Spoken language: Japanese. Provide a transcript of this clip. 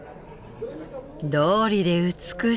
どうりで美しい。